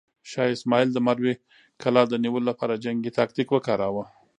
شاه اسماعیل د مروې کلا د نیولو لپاره جنګي تاکتیک وکاراوه.